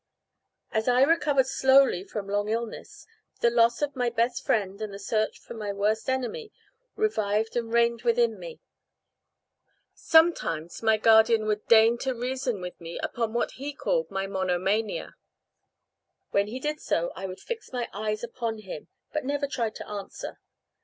As I recovered slowly from long illness, the loss of my best friend and the search for my worst enemy revived and reigned within me. Sometimes my guardian would deign to reason with me upon what he called "my monomania." When he did so, I would fix my eyes upon him, but never tried to answer.